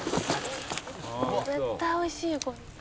「絶対美味しいよこれ」